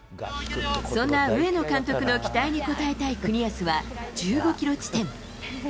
そんな上野監督の期待に応えたい國安は、１５キロ地点。